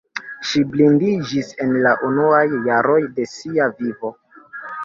Ŝi blindiĝis en la unuaj jaroj de sia vivo.